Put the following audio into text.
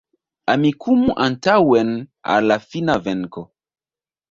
Amikumu antaŭen al la fina venko